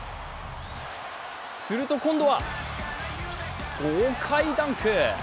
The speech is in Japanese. すると今度は豪快ダンク。